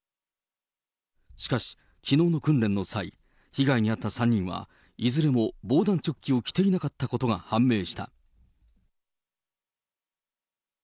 しかし、きのうの訓練の際、被害に遭った３人は、いずれも防弾チョッキを着ていなかったことが判明した。